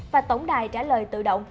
và tổng đài trả lời tự động